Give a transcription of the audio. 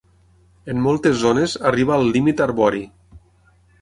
En moltes zones arriba al límit arbori.